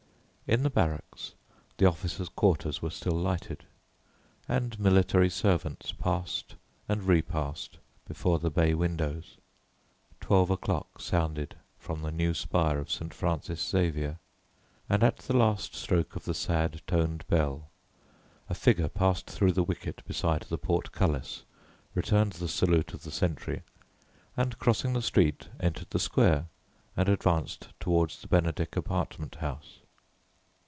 In the barracks, the officers' quarters were still lighted, and military servants passed and repassed before the bay windows. Twelve o'clock sounded from the new spire of St. Francis Xavier, and at the last stroke of the sad toned bell a figure passed through the wicket beside the portcullis, returned the salute of the sentry, and crossing the street entered the square and advanced toward the Benedick apartment house.